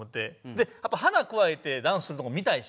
でやっぱ花くわえてダンスするとこ見たいし。